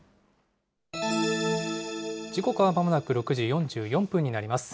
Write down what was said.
時刻はまもなく６時４４分になります。